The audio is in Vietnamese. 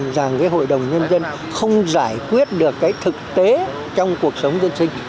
để xác định rằng cái hội đồng nhân dân không giải quyết được cái thực tế trong cuộc sống dân sinh